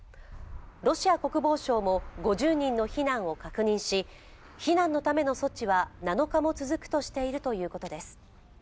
ロシア国防省も５０人の避難を確認し避難のための措置は７日も続くとしているということです。